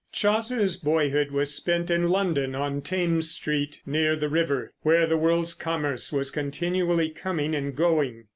Chaucer's boyhood was spent in London, on Thames Street near the river, where the world's commerce was continually coming and going.